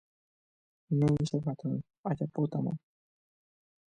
Néi che patrón, ajapótama.